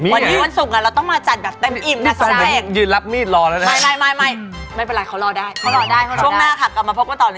มีไหมฮะวันศุกร์เราต้องมาจั่นแบบเต็มอิ่ม